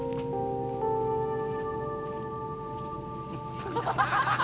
ハハハハ！